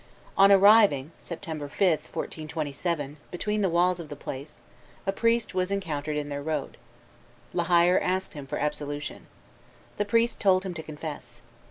On arriving, September 5, 1427, beneath the walls of the place, a priest was encountered in their road. La Hire asked him for absolution. The priest told him to confess.